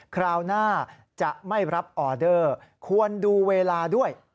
คราวหน้าจะไม่รับออเดอร์ควรดูเวลาด้วย